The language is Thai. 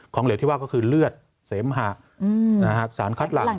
เหลวที่ว่าก็คือเลือดเสมหะสารคัดหลัง